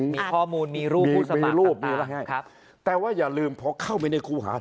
มีข้อมูลมีรูปมีรูปมีอะไรให้ครับแต่ว่าอย่าลืมพอเข้าไปในครูหา